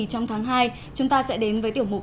trong tháng hai chúng ta sẽ đến với tiểu mục